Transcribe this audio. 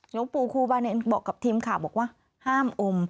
หลวงปู่ครูบาเนนบอกกับทีมข่าวบอกว่าห้ามอม